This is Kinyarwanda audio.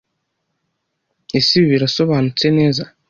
Ese ibi birasobanutse neza?